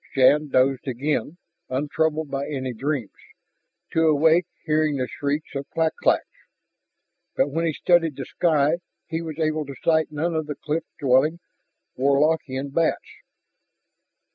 Shann dozed again, untroubled by any dreams, to awake hearing the shrieks of clak claks. But when he studied the sky he was able to sight none of the cliff dwelling Warlockian bats.